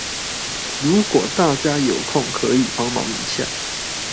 如果大家有空可以幫忙一下